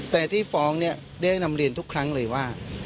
แต่ที่ฟ้องเนี่ยได้นำเรียนทุกครั้งเลยว่า